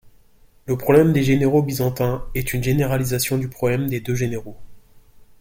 Le problème des généraux byzantins est une généralisation du problème des deux généraux.